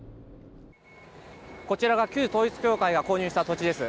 こちらが旧統一教会が購入した土地です。